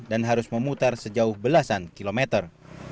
dan harus memutar sejauh belasan kilometer